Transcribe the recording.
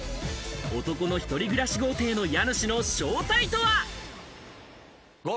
男の一人暮らし豪邸の家主の正体とは？